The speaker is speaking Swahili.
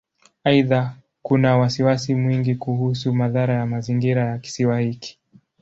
Aidha, kuna wasiwasi mwingi kuhusu madhara ya mazingira ya Kisiwa hiki.